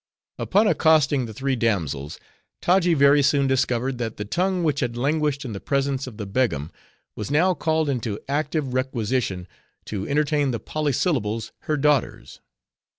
Upon accosting the three damsels, Taji very soon discovered that the tongue which had languished in the presence of the Begum, was now called into active requisition, to entertain the Polysyllables, her daughters.